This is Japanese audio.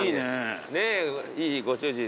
いいご主人で。